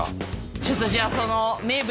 ちょっとじゃあその名物。